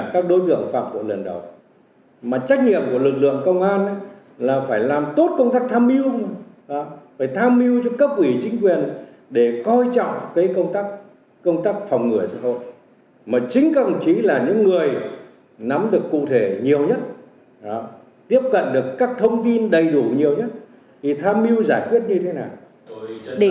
cần phát huy về chính quyền để coi trọng công tác phòng ngừa xã hội mà chính công trí là những người nắm được cụ thể nhiều nhất tiếp cận được các thông tin đầy đủ nhiều nhất thì tham mưu giải quyết như thế nào